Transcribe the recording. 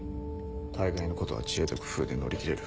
大概のことは知恵と工夫で乗り切れる」。